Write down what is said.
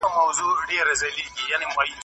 ژورنالیزم پوهنځۍ سمدستي نه لغوه کیږي.